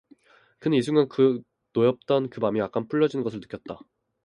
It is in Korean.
그는 이 순간 노엽던 그 맘이 약간 풀어지는 것을 느꼈다.